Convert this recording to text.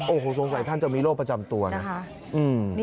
โอ้โหสงสัยท่านจะมีโรคประจำตัวนะ